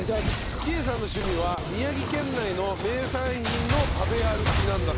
喜江さんの趣味は宮城県内の名産品の食べ歩きなんだそうです。